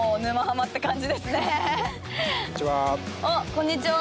こんにちは。